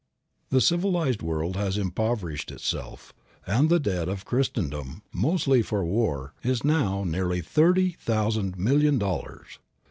The civilized world has impoverished itself, and the debt of Christendom, mostly for war, is now nearly thirty thousand million dollars.